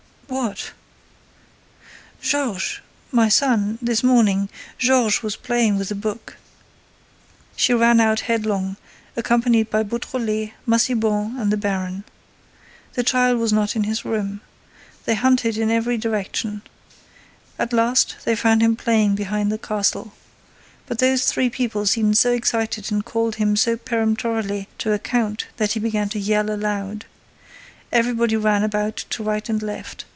"What?" "Georges—my son—this morning—Georges was playing with the book." She ran out headlong, accompanied by Beautrelet, Massiban and the baron. The child was not in his room. They hunted in every direction. At last, they found him playing behind the castle. But those three people seemed so excited and called him so peremptorily to account that he began to yell aloud. Everybody ran about to right and left.